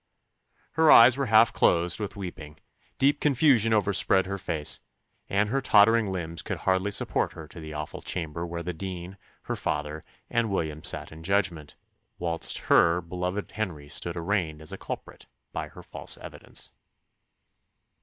Her eyes were half closed with weeping; deep confusion overspread her face; and her tottering limbs could hardly support her to the awful chamber where the dean, her father, and William sat in judgment, whilst her beloved Henry stood arraigned as a culprit, by her false evidence.